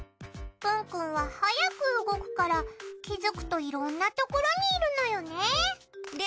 ぷんくんは速く動くから気づくといろんなところにいるのよね。